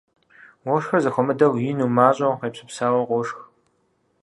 Уэшхыр зэхуэмыдэу, ину, мащӀэу, къепсэпсауэу, къошх.